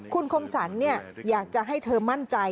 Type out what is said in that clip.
คุณคมสรรอยากจะให้เธอมั่นใจ